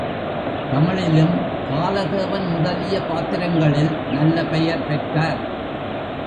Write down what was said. தமிழிலும் காலதேவன் முதலிய பாத்திரங்களில் நல்ல பெயர் பெற்றார்.